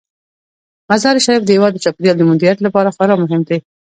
مزارشریف د هیواد د چاپیریال د مدیریت لپاره خورا مهم دی.